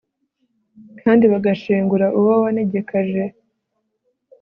kandi bagashengura uwo wanegekaje